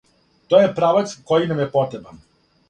То је правац који нам је потребан.